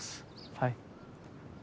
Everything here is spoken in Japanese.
はい。